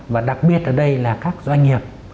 và đặc biệt ở đây là các doanh nghiệp